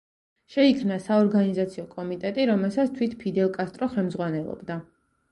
შეიქმნა საორგანიზაციო კომიტეტი, რომელსაც თვით ფიდელ კასტრო ხელმძღვანელობდა.